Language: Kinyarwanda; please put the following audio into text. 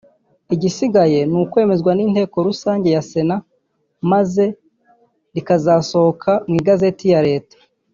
igisigaye ni ukwemezwa n’inteko rusange ya Sena maze rikazasohoka mu Igazeti ya Leta